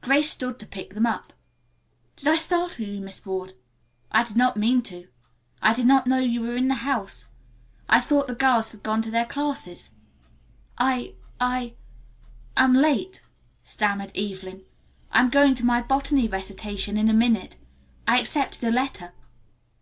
Grace stooped to pick them up. "Did I startle you, Miss Ward? I did not mean to. I did not know you were in the house. I thought the girls had gone to their classes." [Illustration: "Did I Startle You, Miss Ward?"] "I I am late," stammered Evelyn. "I'm going to my botany recitation in a minute. I expected a letter.